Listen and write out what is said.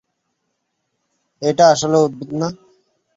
এটা আসলে অদ্ভুত না।